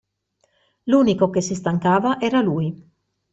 L'unico che si stancava era lui.